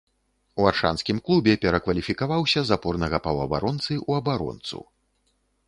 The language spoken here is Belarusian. У аршанскім клубе перакваліфікаваўся з апорнага паўабаронцы ў абаронцу.